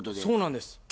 そうなんです。